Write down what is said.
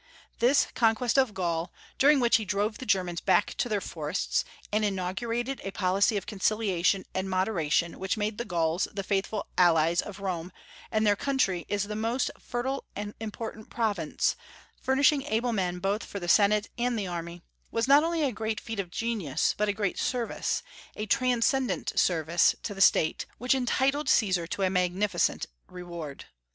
This conquest of Gaul, during which he drove the Germans back to their forests, and inaugurated a policy of conciliation and moderation which made the Gauls the faithful allies of Rome, and their country its most fertile and important province, furnishing able men both for the Senate and the Army, was not only a great feat of genius, but a great service a transcendent service to the State, which entitled Caesar to a magnificent reward.